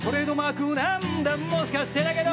「もしかしてだけど」